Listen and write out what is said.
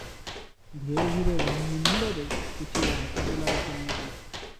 ଧୀରେ ଧୀରେ ବୋହୂ ମୁଣ୍ଡରେ ପିଠିରେ ହାତ ବୁଲାଉଥାନ୍ତି ।